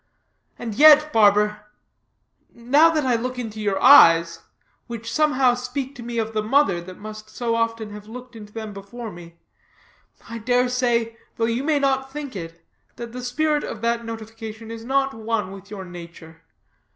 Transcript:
And yet, barber, now that I look into your eyes which somehow speak to me of the mother that must have so often looked into them before me I dare say, though you may not think it, that the spirit of that notification is not one with your nature.